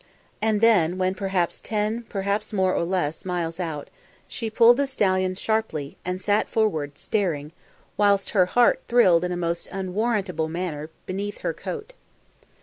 And then, when perhaps ten, perhaps more or less, miles out, she pulled the stallion sharply and sat forward, staring, whilst her heart thrilled in a most unwarrantable manner beneath her coat.